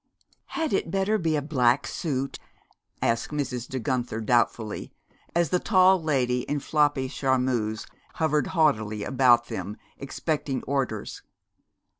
"Had it better be a black suit?" asked Mrs. De Guenther doubtfully, as the tall lady in floppy charmeuse hovered haughtily about them, expecting orders.